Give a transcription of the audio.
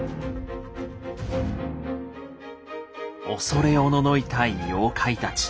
恐れおののいた妖怪たち。